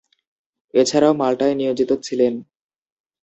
এছাড়াও, মাল্টায় নিয়োজিত ছিলেন।